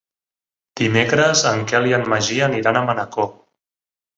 Dimecres en Quel i en Magí aniran a Manacor.